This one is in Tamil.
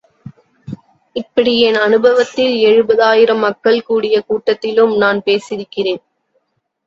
இப்படி என் அனுபவத்தில் எழுபதாயிரம் மக்கள் கூடிய கூட்டத்திலும் நான் பேசியிருக்கிறேன்.